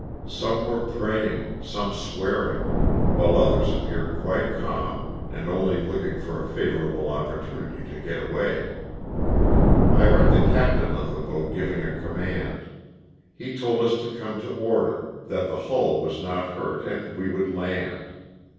Some wore praying, some swearing, while others appeared quite calm and only looking for a favorable opportunity to get away. I heard the captain of the boat giving a command, lie told us to come to order, that the hull was not hurt and we would land.